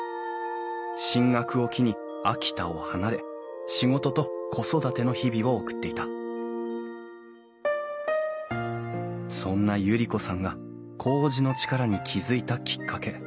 進学を機に秋田を離れ仕事と子育ての日々を送っていたそんな百合子さんがこうじの力に気付いたきっかけ。